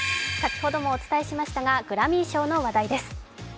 先ほどもお伝えしましたが、グラミー賞の話題です。